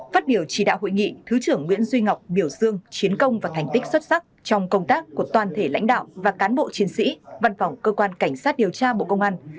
phát biểu chỉ đạo hội nghị thứ trưởng nguyễn duy ngọc biểu dương chiến công và thành tích xuất sắc trong công tác của toàn thể lãnh đạo và cán bộ chiến sĩ văn phòng cơ quan cảnh sát điều tra bộ công an